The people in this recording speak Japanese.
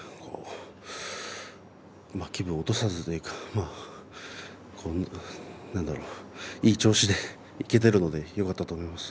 気分を落とさずにいい調子でいけてるのでよかったと思います。